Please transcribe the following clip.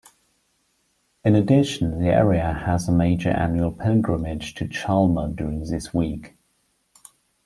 In addition, the area has a major annual pilgrimage to Chalma during this week.